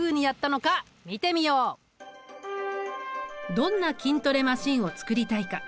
どんな筋トレマシンを作りたいか。